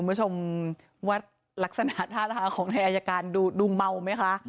คุณผู้ชมว่าลักษณะท่าทางของนายอายการดูเมาไหมคะ